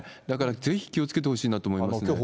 だからぜひ気をつけてほしいなと思いますね。